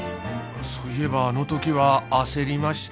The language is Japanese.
そういえばあのときは焦りました